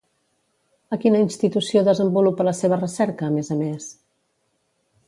A quina institució desenvolupa la seva recerca, a més a més?